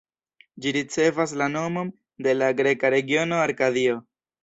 Ĝi ricevas la nomon de la greka regiono Arkadio.